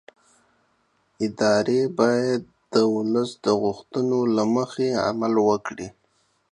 ادارې باید د ولس د غوښتنو له مخې عمل وکړي